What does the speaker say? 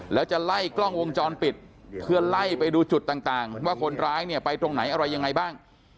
แล้วจะไล่กล้องวงจรปิดเพื่อไล่ไปดูจุดต่างว่าคนร้ายเนี่ยไปตรงไหนอะไรยังไงบ้าง